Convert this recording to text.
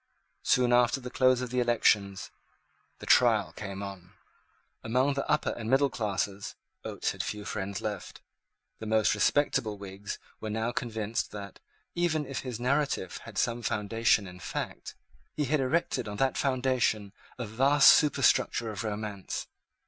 Soon after the close of the elections the trial came on. Among the upper and middle classes Oates had few friends left. The most respectable Whigs were now convinced that, even if his narrative had some foundation in fact, he had erected on that foundation a vast superstructure of romance.